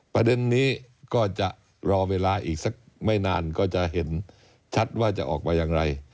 ประเด็นนี้ก็จะรอเวลาอีกสักไม่นานก็จะเห็นชัดว่าจะออกมาอย่างไร